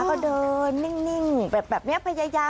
ก็เดินนิ่งแบบเนี้ย๕๐๐๓๐๐๐๐๐